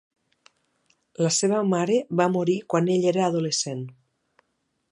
La seva mare va morir quan ell era adolescent.